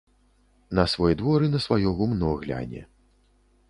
На свой двор і на сваё гумно гляне.